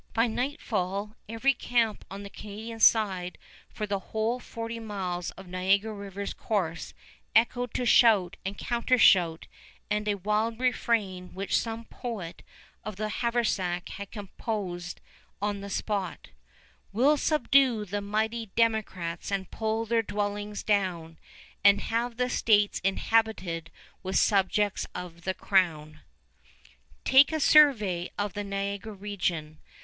By nightfall every camp on the Canadian side for the whole forty miles of Niagara River's course echoed to shout and counter shout, and a wild refrain which some poet of the haversack had composed on the spot: We 'll subdue the mighty Democrats and pull their dwellings down, And have the States inhabited with subjects of the Crown. Take a survey of the Niagara region.